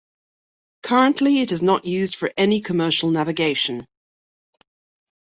Currently, it is not used for any commercial navigation.